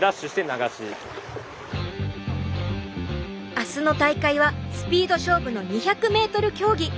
明日の大会はスピード勝負の２００ｍ競技。